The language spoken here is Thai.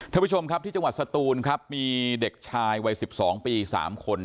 ท่านผู้ชมครับที่จังหวัดสตูนครับมีเด็กชายวัย๑๒ปี๓คน